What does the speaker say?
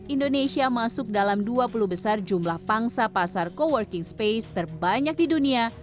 indonesia masuk dalam dua puluh besar jumlah pangsa pasar co working space terbanyak di dunia